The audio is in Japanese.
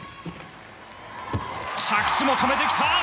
着地も止めてきた！